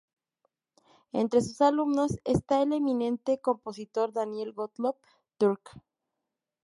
Entre sus alumnos está el eminente compositor Daniel Gottlob Türk.